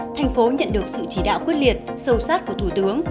tp hcm nhận được sự chỉ đạo quyết liệt sâu sát của thủ tướng